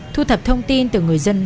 thu thập thông tin từ người dân